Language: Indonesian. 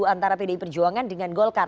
antara pdi perjuangan dengan golkar